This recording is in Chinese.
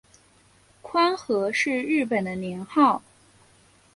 宽和是日本的年号。